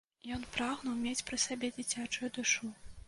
Ён прагнуў мець пры сабе дзіцячую душу.